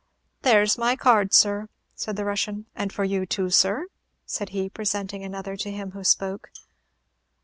"There 's my card, sir," said the Russian; "and for you too, sir," said he, presenting another to him who spoke.